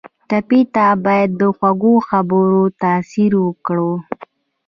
ټپي ته باید د خوږو خبرو تاثیر ورکړو.